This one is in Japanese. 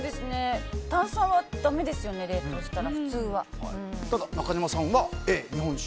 炭酸はだめですよね冷凍したら、普通は。